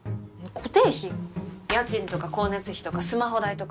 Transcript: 家賃とか光熱費とかスマホ代とか。